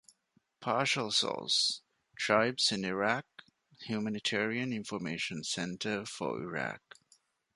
Partial source: Tribes in Iraq, Humanitarian Information Centre for Iraq.